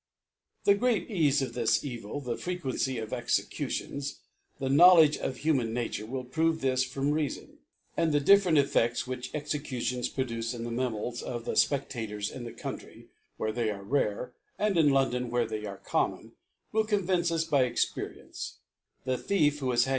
The great Caufo of this Evil is tfie Fre quency of Executions : The Knowledge of Human Nature will prove this from Rea fon J ^nd the different EffcdU which Exe* cutions produce in the Minds of the Spec tators in the Country where they arc rare> and in Londm where they are common, ^ill convince us by Experience, The Thief who is hang.